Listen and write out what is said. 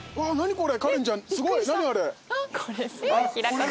これ。